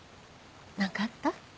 何かあった？